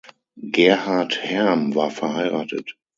Gerhard Herm war verheiratet.